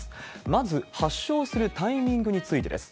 まず発症するタイミングについてです。